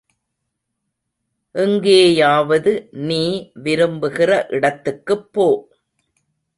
எங்கேயாவது நீ விரும்புகிற இடத்துக்குப் போ!